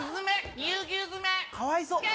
かわいそ。